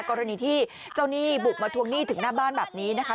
กรณีที่เจ้าหนี้บุกมาทวงหนี้ถึงหน้าบ้านแบบนี้นะคะ